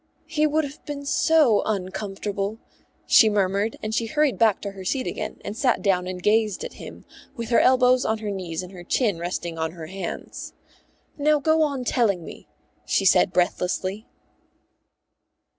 "He would have been so uncomfortable," she murmured, and she hurried back to her seat again and sat down and gazed at him, with her elbows on her knees and her chin resting on her hands. "Now go on telling me," she said breathlessly.